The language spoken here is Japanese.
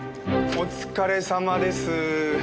お疲れさまです。